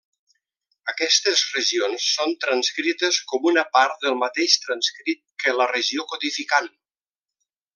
Aquestes regions són transcrites com una part del mateix transcrit que la regió codificant.